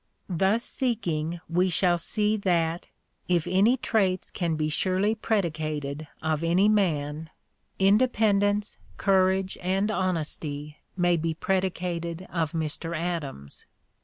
Thus seeking we shall see that, if any traits can be surely predicated of any man, independence, courage, and honesty may be predicated of Mr. Adams.